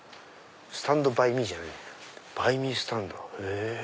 スタンドバイミーじゃないバイミースタンド。